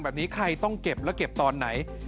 แบบนี้ใครต้องเก็บแล้วเก็บตอนไหน